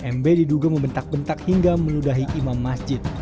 mb diduga membentak bentak hingga meludahi imam masjid